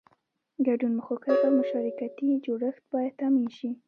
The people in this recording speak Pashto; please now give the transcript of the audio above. ګډون مخوکی او مشارکتي جوړښت باید تامین شي.